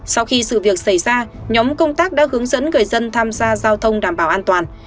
sau khi sự việc xảy ra nhóm công tác đã hướng dẫn người dân tham gia giao thông đảm bảo an toàn